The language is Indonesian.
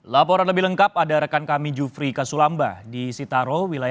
laporan lebih lengkap ada rekan kami jufri kasulamba di sitaro